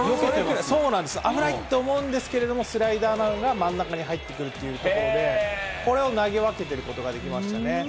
甘いって思うんですけど、スライダーが真ん中に入ってくるところで、これを投げ分けてることができましたね。